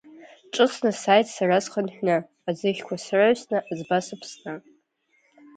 Ҿыцны сааит сара схынҳәны, аӡыхьқәа сраҩсны, аӡба сыԥсны.